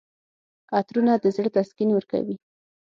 عطرونه د زړه تسکین ورکوي.